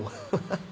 ハハハ。